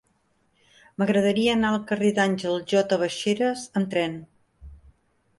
M'agradaria anar al carrer d'Àngel J. Baixeras amb tren.